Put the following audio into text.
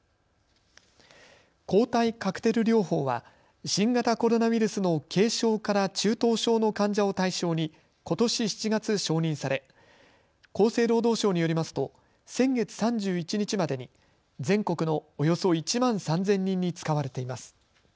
抗体カクテル療法は新型コロナウイルスの軽症から中等症の患者を対象にことし７月、承認され厚生労働省によりますと先月３１日までに全国のおよそ１万３０００人に使われています。